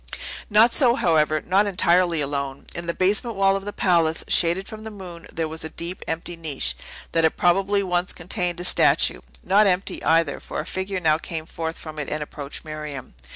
Not so, however; not entirely alone! In the basement wall of the palace, shaded from the moon, there was a deep, empty niche, that had probably once contained a statue; not empty, either; for a figure now came forth from it and approached Miriam.